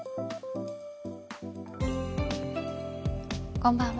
こんばんは。